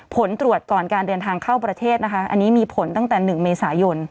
ผลตรวจก่อนการเดินทางเข้าประเทศนะคะอันนี้มีผลตั้งแต่๑เมษายน